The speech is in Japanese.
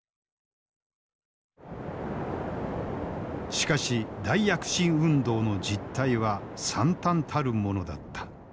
しかし大躍進運動の実態はさんたんたるものだった。